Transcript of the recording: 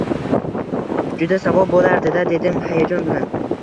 Juda savob bo`lardi-da, dedim hayajon bilan